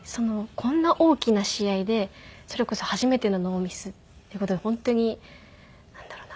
こんな大きな試合でそれこそ初めてのノーミスっていう事で本当になんだろうな。